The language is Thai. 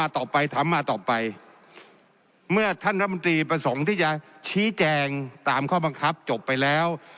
ต่อไปเมื่อท่านบัตรีประสงค์ที่จะชี้แจงตามข้อบังคับจบไปแล้ว